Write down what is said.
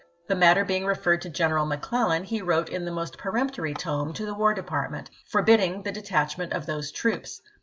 The matter being referred to General McClellan, he wrote in the most peremptory tone to the War Department, forbidding the detachment of those troops.